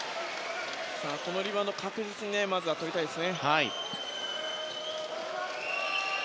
このリバウンド確実にとりたいです。